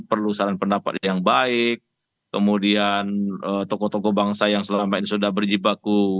perlu saran pendapat yang baik kemudian tokoh tokoh bangsa yang selama ini sudah berjibaku